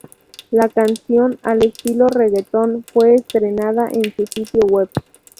La canción al estilo reggaetón fue estrenada en su sitio web.